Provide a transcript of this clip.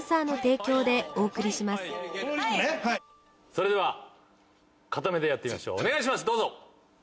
それでは片目でやってみましょうお願いしますどうぞ！